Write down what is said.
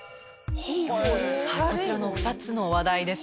こちらの２つの話題です。